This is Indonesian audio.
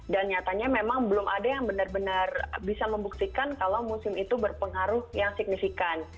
nyatanya memang belum ada yang benar benar bisa membuktikan kalau musim itu berpengaruh yang signifikan